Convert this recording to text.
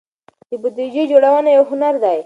د بودیجې جوړونه یو هنر دی.